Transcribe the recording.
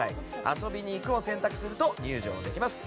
遊びに行くを選択すると入場できます。